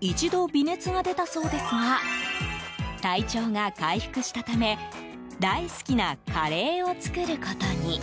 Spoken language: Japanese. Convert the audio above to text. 一度、微熱が出たそうですが体調が回復したため大好きなカレーを作ることに。